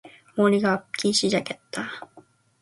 머리가 아프기 시작했다.